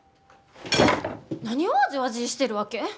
何をわじわじーしてるわけ？